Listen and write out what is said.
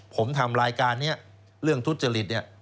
ผมทำรายการนี้เรื่องทุจริตเนี่ย